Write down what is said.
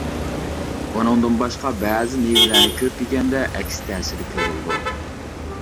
ئۇنىڭدىن باشقا، بەزى مېۋىلەرنى كۆپ يېگەندە ئەكس تەسىرى كۆرۈلىدۇ.